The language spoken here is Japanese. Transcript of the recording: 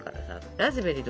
ラズベリーとか。